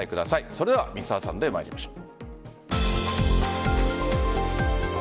それでは「Ｍｒ．サンデー」参りましょう。